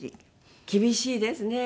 厳しいですね。